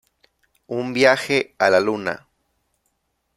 Un viaje a la luna.